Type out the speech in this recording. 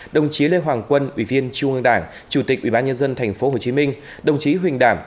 đồng chí lê hoàng quân ủy viên trung ương đảng chủ tịch ủy ban nhân dân tp hcm đồng chí huỳnh đảm